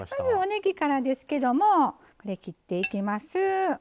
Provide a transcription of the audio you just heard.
おねぎからですけれどもこれ、切っていきます。